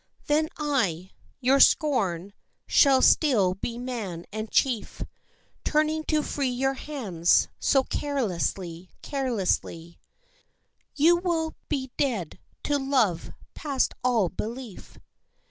Then I, your scorn, shall still be man and chief; Turning to free your hands so carelessly, carelessly, You will be dead to love past all belief.